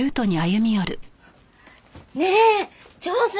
ねえ上手！